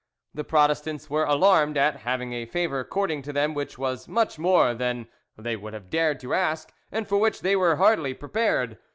The Protestants were alarmed at, having a favour accorded to them which was much more than they would have dared to ask and for which they were hardly prepared.